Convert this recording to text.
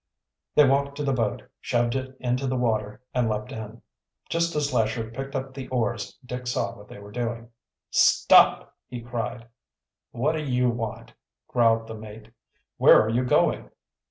They walked to the boat, shoved it into the water, and leaped in. Just as Lesher picked up the oars Dick saw what they were doing. "Stop!" he cried. "What do you want?" growled the mate. "Where are you going?"